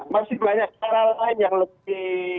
masih banyak cara lain yang lebih